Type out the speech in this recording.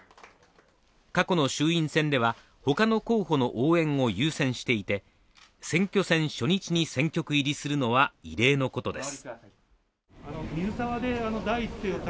過去の衆院選ではほかの候補の応援を優先していて選挙戦初日に選挙区入りするのは異例のことです